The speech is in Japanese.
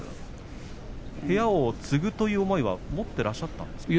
部屋を継ぐという思いは持っていらっしゃったんですか。